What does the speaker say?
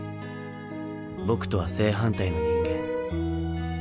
僕とは正反対の人間